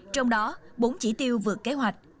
trong đó bốn chỉ tiêu vượt kế hoạch